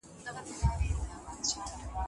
د هانوې په کتاب کي ځیني افسانې شته.